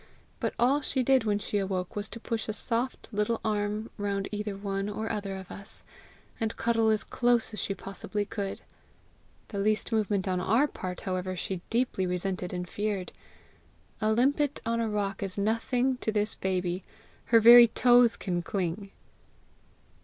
But all she did when she awoke was to push a soft little arm round either one or other of us, and cuddle as close as she possibly could; the least movement on our part, however, she deeply resented and feared. A limpet on a rock is nothing to this baby. Her very toes can cling.